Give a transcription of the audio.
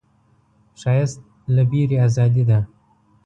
ښایست له ویرې ازادي ده